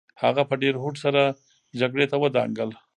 هغه په ډېر هوډ سره جګړې ته ودانګل.